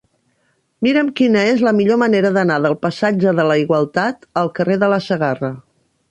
Mira'm quina és la millor manera d'anar del passatge de la Igualtat al carrer de la Segarra.